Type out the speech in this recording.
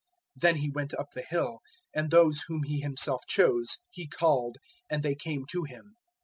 003:013 Then He went up the hill; and those whom He Himself chose He called, and they came to Him.